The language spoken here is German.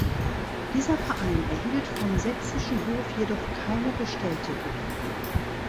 Dieser Verein erhielt vom sächsischen Hof jedoch keine Bestätigung.